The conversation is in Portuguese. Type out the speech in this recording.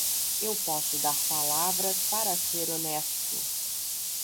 Eu posso dar palavras para ser honesto.